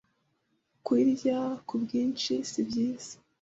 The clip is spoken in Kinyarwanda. Kuyirya ku bwinshi sibyiza